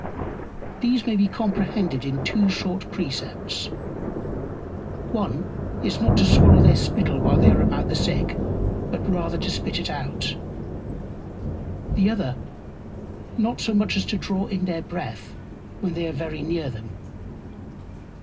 These may be comprehended in two short Precepts. One is, not to swallow their Spittle while they are about the Sick, but rather to spit it out: The other, not so much as to draw in their Breath, when they are very near them.